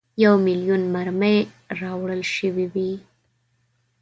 یو میلیون مرمۍ راوړل سوي وې.